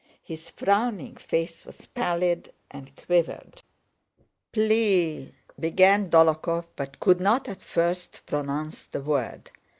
His frowning face was pallid and quivered. "Plea..." began Dólokhov, but could not at first pronounce the word.